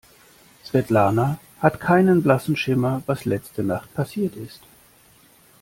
Svetlana hat keinen blassen Schimmer, was letzte Nacht passiert ist.